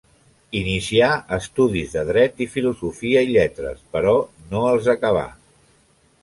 Inicià estudis de dret i filosofia i lletres, però no els acabà.